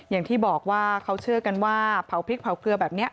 อย่างที่บอกว่าเขาเชื่อกันว่าเผาพริกเผาเกลือแบบนี้